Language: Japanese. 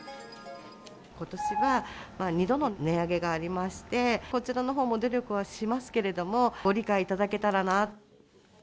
ことしは２度の値上げがありまして、こちらのほうも努力はしますけれども、ご理解いただけたらなと。